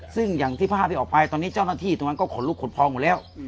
ซึ่งอย่างที่ภาพที่ออกไปตอนนี้เจ้าหน้าที่ตรงนั้นก็ขนลุกขนพองหมดแล้ว